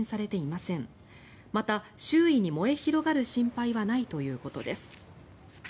また、周囲に燃え広がる心配はないということです。